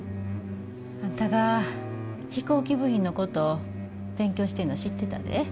あんたが飛行機部品のこと勉強してんのは知ってたで。